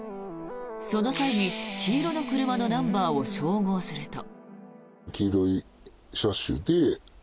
その際に、黄色の車のナンバーを照合すると。